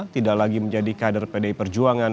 tidak lagi menjadi kader pdi perjuangan